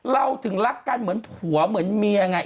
เราถึงรักกันเหมือนผัวเหมือนเมียยังไง